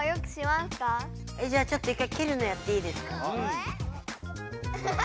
じゃあちょっと一回けるのやっていいですか？